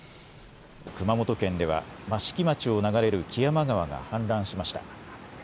熊本県では益城町を流れる木山川が氾濫しました。